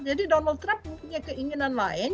jadi donald trump punya keinginan lain